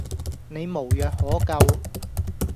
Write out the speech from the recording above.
你無藥可救